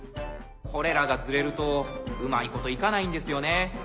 これらがズレるとうまいこと行かないんですよね。